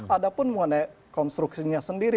ada pun mengenai konstruksinya sendiri